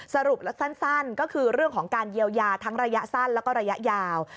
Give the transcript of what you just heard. สรุปสั้นก็คือเรื่องของการเยียวยาทั้งระยะสั้นแล้วก็ระยะยาว